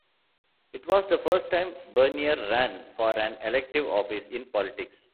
It was the first time Bernier ran for an elective office in politics.